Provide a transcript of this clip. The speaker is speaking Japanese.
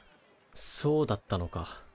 そうだったのか。